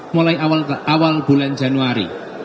mulai awal bulan januari